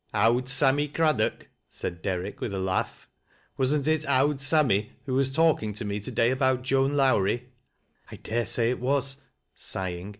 «'Owd Sammy Craddock'?" said Derrick with a laugh. " Wasn't it ' Owd Sammy,' who was talking tc me to day about Joan Lowrie ?"" I dare say it was," sighing.